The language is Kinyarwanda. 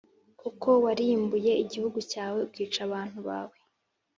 Kuko warimbuye igihugu cyawe ukica abantu bawe,